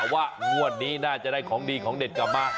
ว่างวดนี้น่าจะได้ของดีของเด็ดกลับมา